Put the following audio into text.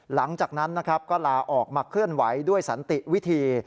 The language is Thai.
หลังจากนั้นนะครับก็ลาออกมาเคลื่อนไหวด้วยสันติวิธี